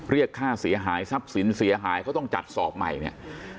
เรียกค่าเสียหายทรัพย์สินเสียหายเขาต้องจัดสอบใหม่เนี่ย